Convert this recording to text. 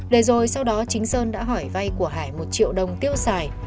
để rồi sau đó chính sơn đã hỏi vay của hải một triệu đồng tiêu xài